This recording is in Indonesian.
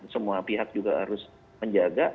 semua pihak juga harus menjaga